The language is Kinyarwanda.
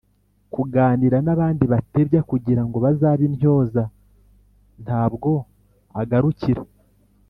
kuganira n’abandi batebya kugira ngo bazabe intyoza. Nta bwo agarukira